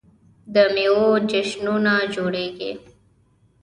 د میوو جشنونه جوړیږي.